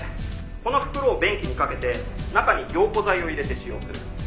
「この袋を便器にかけて中に凝固剤を入れて使用する」